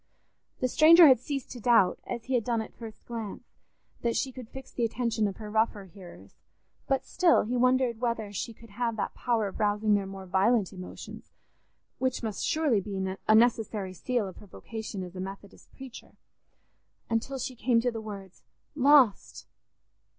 The stranger had ceased to doubt, as he had done at the first glance, that she could fix the attention of her rougher hearers, but still he wondered whether she could have that power of rousing their more violent emotions, which must surely be a necessary seal of her vocation as a Methodist preacher, until she came to the words, "Lost!